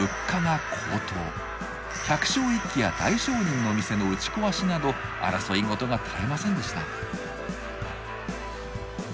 百姓一揆や大商人の店の打ちこわしなど争い事が絶えませんでした。